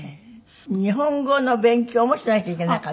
日本語の勉強もしなきゃいけなかった。